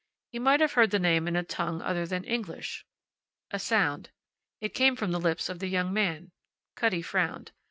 He might have heard the name in a tongue other than English. A sound. It came from the lips of the young man. Cutty frowned.